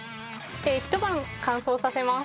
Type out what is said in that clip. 一晩乾燥させます。